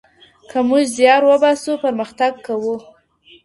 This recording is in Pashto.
که موږ زيار وباسو پرمختګ کوو.